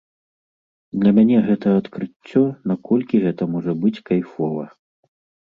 Для мяне гэта адкрыццё, наколькі гэта можа быць кайфова.